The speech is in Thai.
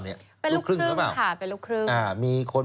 เป็นลูกครึ่งค่ะ